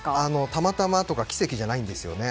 たまたまとか奇跡じゃないんですね。